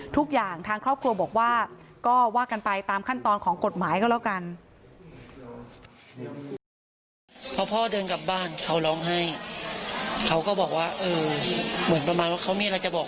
ทุกอย่างทางครอบครัวบอกว่าก็ว่ากันไปตามขั้นตอนของกฎหมายก็แล้วกัน